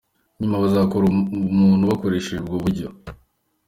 Nyuma bazakora umuntu bakoresheje ubu buryo.